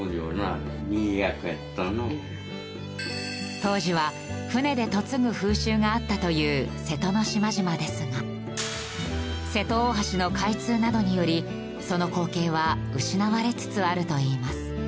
当時は船で嫁ぐ風習があったという瀬戸の島々ですが瀬戸大橋の開通などによりその光景は失われつつあるといいます。